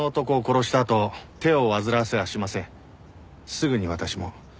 すぐに私も。